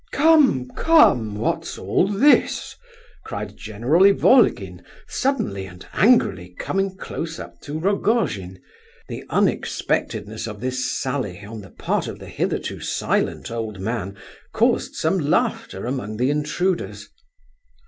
"Come, come; what's all this?" cried General Ivolgin, suddenly and angrily, coming close up to Rogojin. The unexpectedness of this sally on the part of the hitherto silent old man caused some laughter among the intruders.